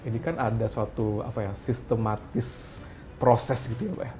ini kan ada suatu apa ya sistematis proses gitu ya pak ya